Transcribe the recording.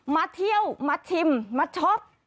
มาเที่ยวมาชิมมาช็อป